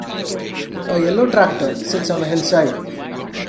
A yellow tractor sits on a hillside.